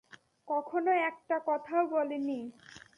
কখনো একটা কথাও বলেনি।